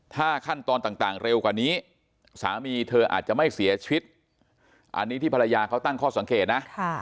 ถ้าขั้นตอนต่างเร็วกว่านี้สามีเธออาจจะไม่เสียชีวิตอันนี้ที่ภรรยาเขาตั้งข้อสังเกตนะ